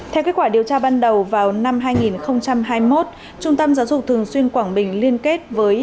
theo kết quả điều tra ban đầu vào năm hai nghìn hai mươi một trung tâm giáo dục thường xuyên quảng bình liên kết với